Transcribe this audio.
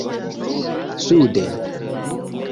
sude